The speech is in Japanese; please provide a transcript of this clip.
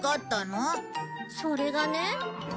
それがね。